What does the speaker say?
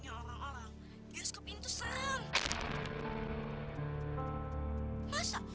astaga mandarin camera